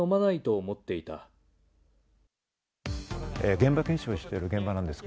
現場検証をしている現場です。